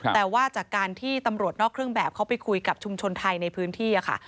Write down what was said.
แต่ว่าจากการที่ตำรวจนอกเครื่องแบบเขาไปคุยกับชุมชนไทยในพื้นที่ค่ะ